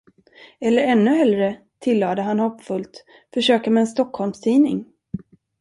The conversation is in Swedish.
Eller ännu hellre, tillade han hoppfullt, försöka med en stockholmstidning.